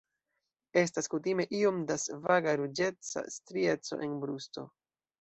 Estas kutime iom da svaga ruĝeca strieco en brusto.